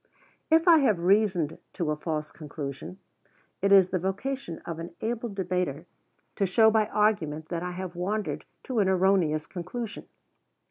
If I have reasoned to a false conclusion, it is the vocation of an able debater to show by argument that I have wandered to an erroneous conclusion.